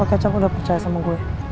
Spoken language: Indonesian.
kecap udah percaya sama gue